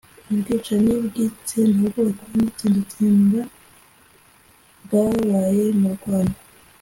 ubwicanyi bw'itsembabwoko n'itsembatsemba bwabaye mu Rwanda